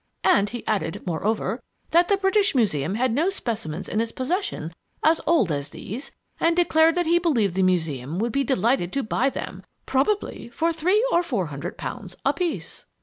_ "And he added, moreover, that the British Museum had no specimens in its possession as old as these, and declared that he believed the Museum would be delighted to buy them, probably for three or four hundred pounds apiece!"